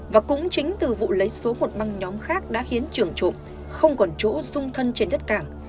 và cũng chính từ vụ lấy số một băng nhóm khác đã khiến trường trộm không còn chỗ sung thân trên đất cảng